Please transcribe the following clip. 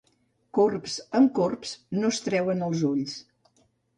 Corbs amb corbs no es treuen els ulls.